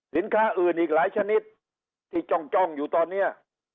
สินค้าอื่นอีกหลายชนิดที่จ้องจ้องอยู่ตอนเนี่ย